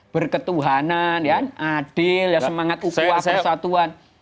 berketuhanan adil semangat ukuah persatuan